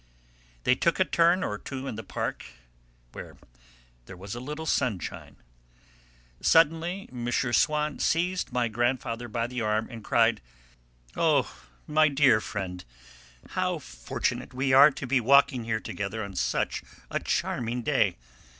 They took a turn or two in the park, where there was a little sunshine. Suddenly M. Swann seized my grandfather by the arm and cried, "Oh, my dear old friend, how fortunate we are to be walking here together on such a charming day!